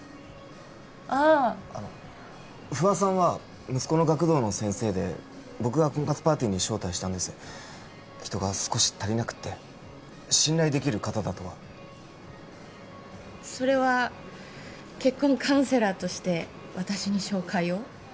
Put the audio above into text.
あああの不破さんは息子の学童の先生で僕が婚活パーティーに招待したんです人が少し足りなくって信頼できる方だとはそれは結婚カウンセラーとして私に紹介を？